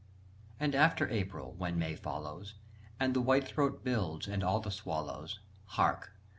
And after April, when May follows, And the whitethroat builds, and all the swallows! Hark!